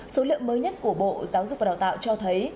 số liệu mới nhất của bộ giáo dục và đào tạo cho thấy